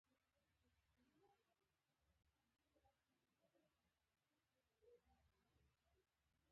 وايي کومه بدکاره ښځه وه.